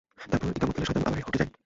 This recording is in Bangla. তারপর ইকামতকালে শয়তান আবার হটে যায়।